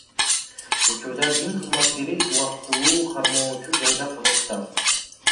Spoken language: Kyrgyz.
Учурда дин кызматкери убактылуу кармоочу жайда камакта.